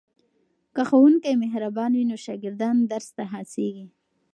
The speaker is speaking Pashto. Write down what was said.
که ښوونکی مهربان وي نو شاګردان درس ته هڅېږي.